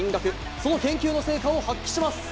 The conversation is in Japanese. その研究の成果を発揮します。